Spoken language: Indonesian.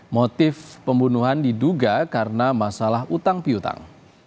motif pembunuhan diduga karena masalah utang piutang